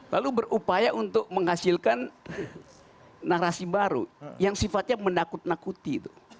lalu berupaya untuk menghasilkan narasi baru yang sifatnya menakut nakuti